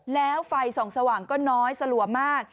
แล้วไฟส่องสว่างก็น้อยสลัวมาก